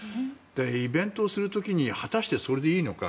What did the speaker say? イベントをする時に果たしてそれでいいのか。